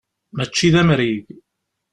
Mačči d amrig.